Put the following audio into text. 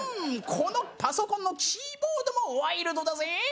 このパソコンのキーボードもワイルドだぜぇ。